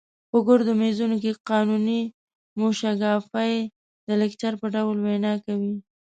په ګردو میزونو کې قانوني موشګافۍ د لیکچر په ډول وینا کوي.